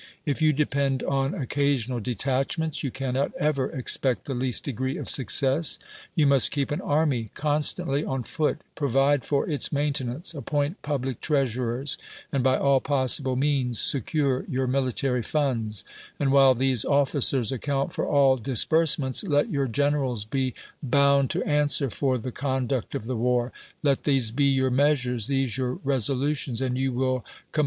If you depend on occasional detachments you cannot ever expect the least degree of success; you nuist keep an army constantly on foot, ])rovide for its maintenance, ai)point public treasurers, and by all possible means secnre your military funds; and while these oflieers account for all disbnrse ments, let your generals be bouiul to answer for the coTiduct of the Avar. Let these be your measures, th(>se your ri^solutions, and you will comp